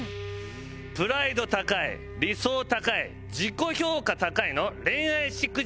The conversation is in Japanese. プライド高い理想高い自己評価高いの恋愛しくじり３